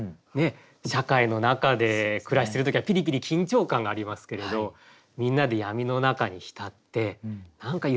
社会の中で暮らしてる時はピリピリ緊張感がありますけれどみんなで闇の中に浸って何かゆったりした気分になって。